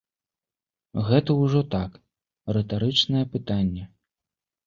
Гэта ўжо так, рытарычнае пытанне.